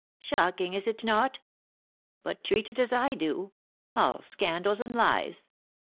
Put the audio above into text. "Shocking! Is it not? But treat it as I do, all scandal and lies.